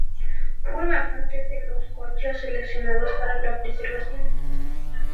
Forma parte de los coches seleccionados para preservación.